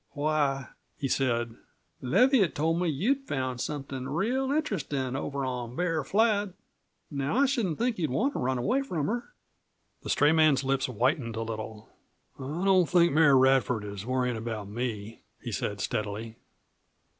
"Why," he said, "Leviatt told me that you'd found somethin' real interestin' over on Bear Flat. Now, I shouldn't think you'd want to run away from her!" The stray man's lips whitened a little. "I don't think Mary Radford is worryin' about me," he said steadily.